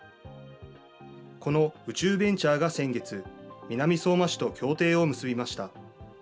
この宇宙ベンチャーが先月、南相馬市と協定を結びました。